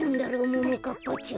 ももかっぱちゃん。